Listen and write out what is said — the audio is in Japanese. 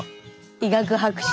医学博士。